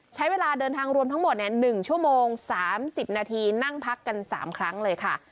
ใช้เวลาเดินทางรวมทั้งหมดเนี้ยหนึ่งชั่วโมงสามสิบนาทีนั่งพักกันสามครั้งเลยค่ะ